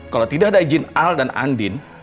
kalau tidak ada izin al dan andin